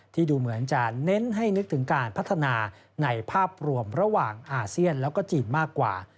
ดูเหมือนจะเน้นให้นึกถึงการพัฒนาในภาพรวมระหว่างอาเซียนแล้วก็จีนมากกว่า